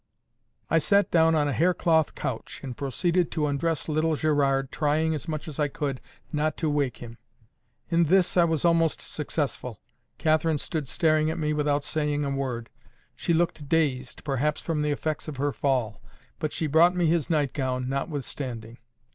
I sat down on a haircloth couch, and proceeded to undress little Gerard, trying as much as I could not to wake him. In this I was almost successful. Catherine stood staring at me without saying a word. She looked dazed, perhaps from the effects of her fall. But she brought me his nightgown notwithstanding.